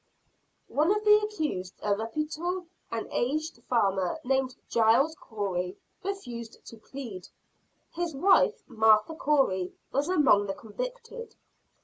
One of the accused, a reputable and aged farmer named Giles Corey, refused to plead. His wife, Martha Corey, was among the convicted.